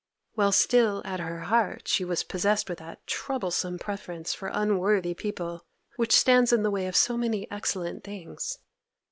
While still at her heart she was possessed with that troublesome preference for unworthy people which stands in the way of so many excellent things.